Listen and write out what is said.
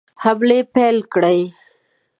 حملې پیل کړې.